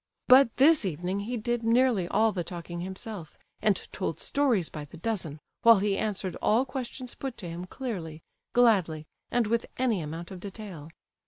But this evening he did nearly all the talking himself, and told stories by the dozen, while he answered all questions put to him clearly, gladly, and with any amount of detail.